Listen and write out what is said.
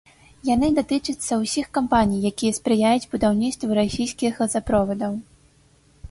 Яны датычацца ўсіх кампаній, якія спрыяюць будаўніцтву расійскіх газаправодаў.